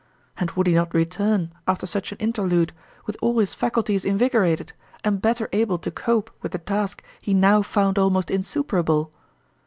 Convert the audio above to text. And would he not return after such an interlude with all his faculties invigorated, and better able to cope with the task he now found almost insuperable